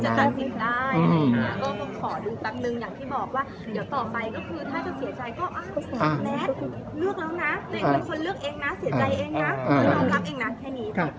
ค่ะก็เริ่มกับกัน